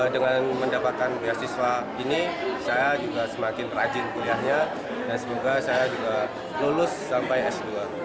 dengan mendapatkan beasiswa ini saya juga semakin rajin kuliahnya dan semoga saya juga lulus sampai s dua